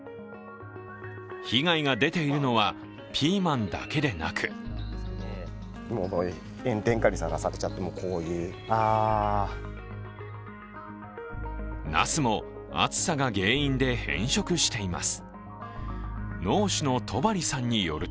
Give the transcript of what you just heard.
被害が出ているのはピーマンだけでなくなすも暑さが原因で変色しています。